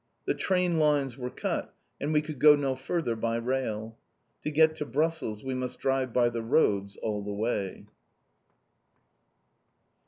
The train lines were cut, and we could go no further by rail. To get to Brussels we must drive by the roads all the way.